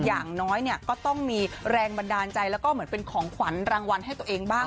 อย่างน้อยเนี่ยก็ต้องมีแรงบันดาลใจแล้วก็เหมือนเป็นของขวัญรางวัลให้ตัวเองบ้าง